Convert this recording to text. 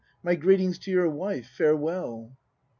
My greetings to your wife. Farewell!